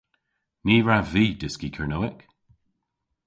Ny wrav vy dyski Kernewek.